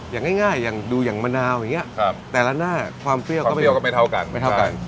อย่างง่ายดูอย่างมะนาวอย่างเงี้ยแต่ละหน้าความเปรี้ยวก็ไม่เท่ากัน